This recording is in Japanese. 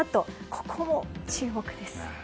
ここも注目です。